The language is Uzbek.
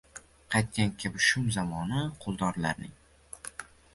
Qaytgan kabi shum zamoni quldorlarning.